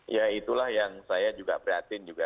ya itulah yang saya juga prihatin juga